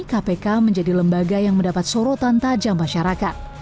kpk menjadi lembaga yang mendapat sorotan tajam masyarakat